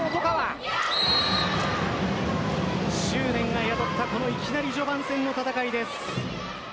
執念が宿ったこのいきなり序盤戦の戦いです。